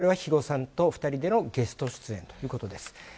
こちらは肥後さんと２人でのゲスト出演ということです。